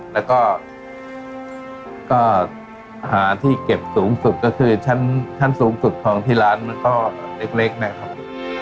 แล้วก็อาหารที่เก็บสูงสุดก็คือชั้นสูงสุดของที่ร้านมันก็เล็กนะครับ